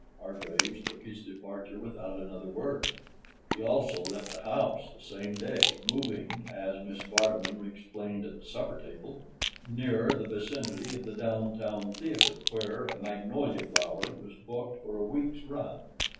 Hargraves took his departure without another word. He also left the house the same day, moving, as Mrs. Vardeman explained at the supper table, nearer the vicinity of the downtown theater, where A Magnolia Flower was booked for a week's run.